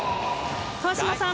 川島さん